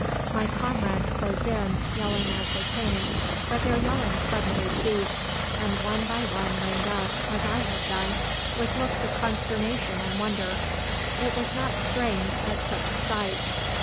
My comrades closed in, yelling as they came; but their yelling suddenly ceased, and one by one reined up, as I had done, with looks of consternation and wonder. It was not strange, at such a sight.